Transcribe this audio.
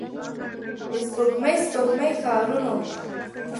د سپوږمۍ، سپوږمۍ ښارونو